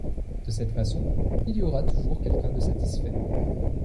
De cette façon, il y aura toujours quelqu’un de satisfait.